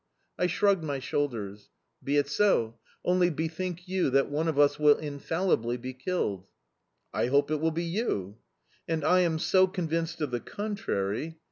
I shrugged my shoulders. "Be it so; only, bethink you that one of us will infallibly be killed." "I hope it will be you"... "And I am so convinced of the contrary"...